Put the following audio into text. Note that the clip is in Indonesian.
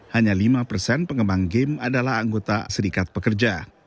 hanya lima persen pengembang game adalah anggota serikat pekerja